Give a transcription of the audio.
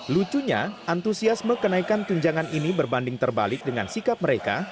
lucunya antusiasme kenaikan tunjangan ini berbanding terbalik dengan sikap mereka